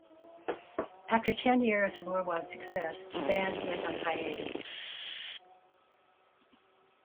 After ten years of worldwide success, the band went on hiatus.